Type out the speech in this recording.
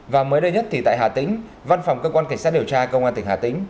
và mới đây nhất thì tại hà tĩnh văn phòng cơ quan cảnh sát điều tra công an tỉnh hà tĩnh